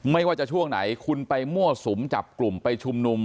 ไม่ว่าจะช่วงไหนคุณไปมั่วสุมจับกลุ่มไปชุมนุม